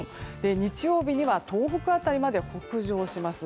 日曜日には東北辺りまで北上します。